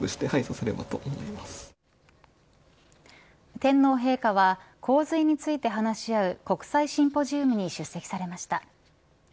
天皇陛下は洪水について話し合う国際シンポジウムに出席されました。